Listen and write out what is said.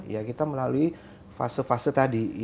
ya kita melalui fase fase tadi